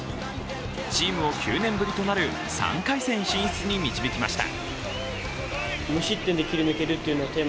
チームを９年ぶりとなる３回戦進出に導きました。